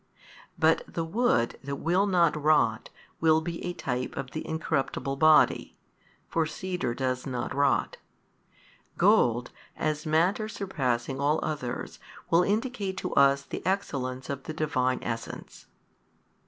But the wood that will not rot will be a type of the incorruptible Body (for cedar does not rot); gold as matter surpassing all others will indicate to us the Excellence of the Divine Essence.